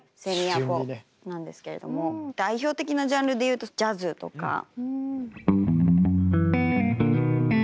セミアコなんですけれども代表的なジャンルでいうとジャズとか。